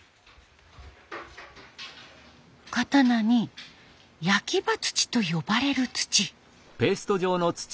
刀に焼刃土と呼ばれる土。